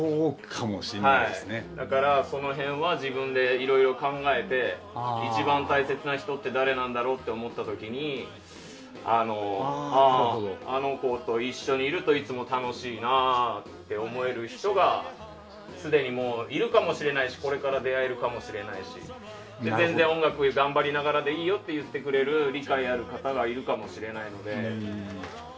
だから、その辺は自分でいろいろ考えて一番大切な人って誰なんだろうって思った時にああ、あの子と一緒にいるといつも楽しいなって思える人がすでにいるかもしれないしこれから出会えるかもしれないし全然、音楽頑張りながらでいいよっていう理解ある方がいるかもしれないので。